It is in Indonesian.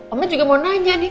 omet juga mau nanya nih